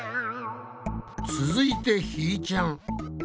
続いてひーちゃん。